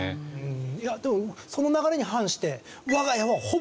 いやでもその流れに反して。